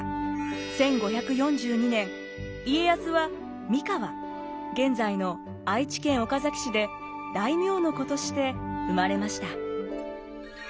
１５４２年家康は三河現在の愛知県岡崎市で大名の子として生まれました。